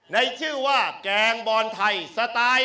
ในชื่อว่าแกงบอลไทยสไตล์